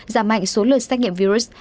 giảm mạnh số lượt xét nghiệm virus